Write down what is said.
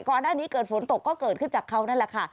ก่อนหน้านี้เกิดฝนตกก็เกิดขึ้นจากเขานั่นแหละค่ะ